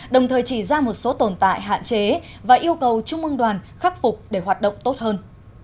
đồng thời chỉ ra một số tồn tại hạn chế và yêu cầu trung ương đoàn khắc phục để hoạt động tốt hơn